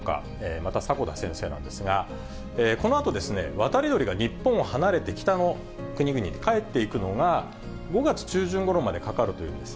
また迫田先生なんですが、このあと、渡り鳥が日本を離れて北の国々に帰っていくのが５月中旬ごろまでかかるというんです。